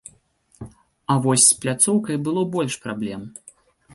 А вось з пляцоўкай было больш праблем.